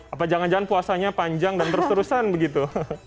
apa jangan jangan puasanya panjang dan terus terusan begitu